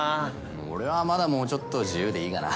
うん俺はまだもうちょっと自由でいいかな。